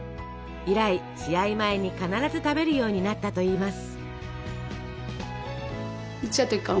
以来試合前に必ず食べるようになったといいます。